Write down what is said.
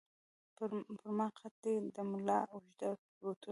پر ما غټ دي د مُلا اوږده بوټونه